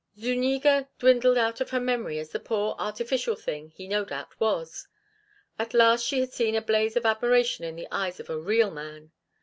Zuñiga dwindled out of her memory as the poor, artificial thing he no doubt was. At last she had seen a blaze of admiration in the eyes of a real man.